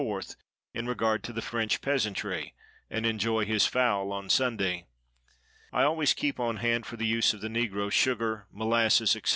in regard to the French peasantry, and enjoy his fowl on Sunday. I always keep on hand, for the use of the negroes, sugar, molasses, &c.